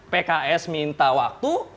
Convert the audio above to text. pks minta waktu